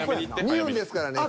２分ですからね。